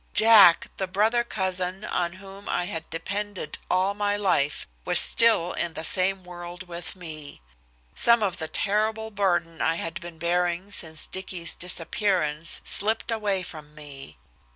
Jack, the brother cousin on whom I had depended all my life, was still in the same world with me! Some of the terrible burden I had been bearing since Dicky's disappearance slipped away from me.